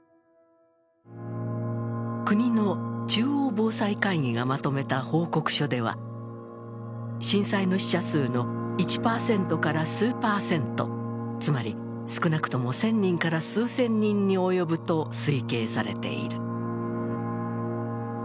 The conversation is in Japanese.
国の中央防災会議がまとめた報告書では、震災の死者数の１％から数％、つまり少なくとも１０００人から数千人に及ぶと推計されている。